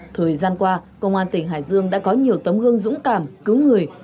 thời gian qua công an tỉnh hải dương đã có nhiều tấm gương dũng cảm cứu người